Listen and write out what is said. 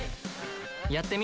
やってみ！